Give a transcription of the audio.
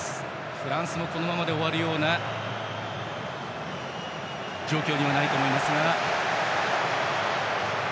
フランスもこのままで終わるような状況にはないと思います。